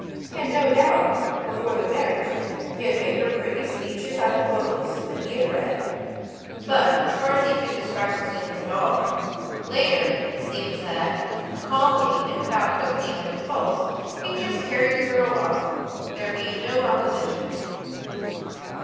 And, no doubt, before the marriage, he made her pretty speeches out of books that he had read. But, as far as he could describe his feelings at all, later, it seems that, calmly and without any quickening of the pulse, he just carried the girl off, there being no opposition.